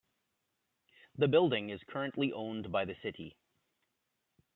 The building is currently owned by the City.